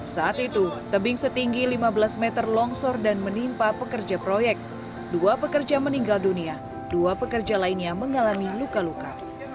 saat itu tebing setinggi lima belas meter longsor dan menimpa pekerja proyek dua pekerja meninggal dunia dua pekerja lainnya mengalami luka luka